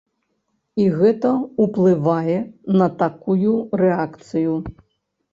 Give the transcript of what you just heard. І гэта уплывае на такую рэакцыю.